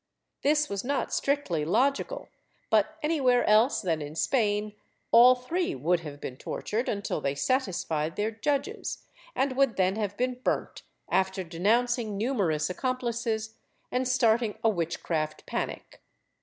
This was not strictly logical, but anywhere else than in Spain, all three would have been tortured until they satisfied their judges, and would then have been burnt after denouncing numerous accomplices and starting a witchcraft panic.